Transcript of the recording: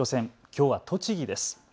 きょうは栃木です。